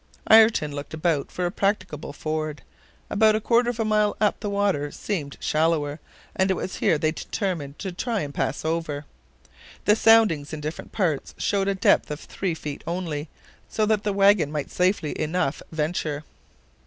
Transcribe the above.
Ayrton looked about for a practicable ford. About a quarter of a mile up the water seemed shallower, and it was here they determined to try to pass over. The soundings in different parts showed a depth of three feet only, so that the wagon might safely enough venture.